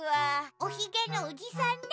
おひげのおじさんね。